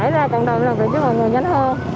để giúp mọi người nhanh hơn